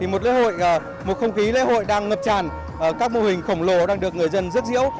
một không khí lễ hội đang ngập tràn các mô hình khổng lồ đang được người dân rước diễu